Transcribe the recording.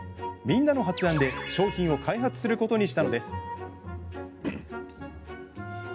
みんなの発案で商品を開発することにしたのです。